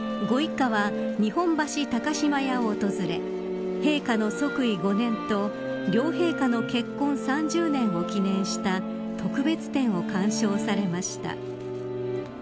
ご一家は日本橋高島屋を訪れ陛下の即位５年と両陛下の結婚３０年を記念した特別展を鑑賞されました。